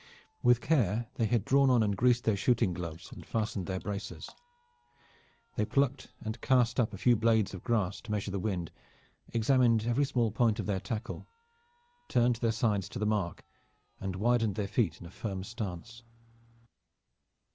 With care they had drawn on and greased their shooting gloves and fastened their bracers. They plucked and cast up a few blades of grass to measure the wind, examined every small point of their tackle, turned their sides to the mark, and widened their feet in a firmer stance.